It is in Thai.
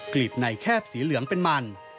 ลีดในแคบสีเหลืองเป็นมัน